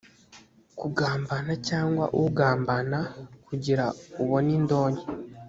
kugambana cyangwa ugambana kugira ubone indonke